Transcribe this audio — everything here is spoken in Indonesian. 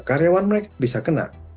karyawan mereka bisa kena